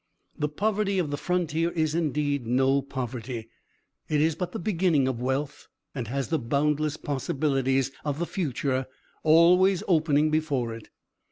The poverty of the frontier is indeed no poverty. It is but the beginning of wealth, and has the boundless possibilities of the future always opening before it.